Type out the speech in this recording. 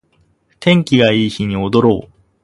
天気がいい日に踊ろう